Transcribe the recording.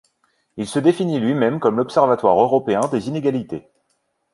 Il se définit lui-même comme l'Observatoire européen des inégalités.